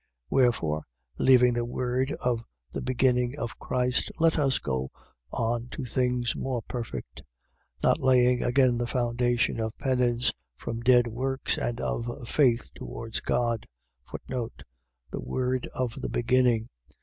6:1. Wherefore, leaving the word of the beginning of Christ, let us go on to things more perfect: not laying again the foundation of penance from dead works and of faith towards God, The word of the beginning.